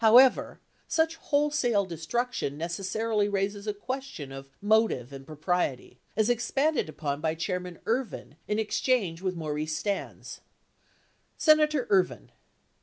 However, such wholesale destruc tion necessarily raises a question of motive and propriety, as expanded upon by Chairman Ervin in an exchange with Maurice Stans : Senator Ervin.